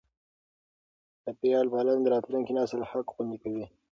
چاپېریال پالنه د راتلونکي نسل حق خوندي کوي.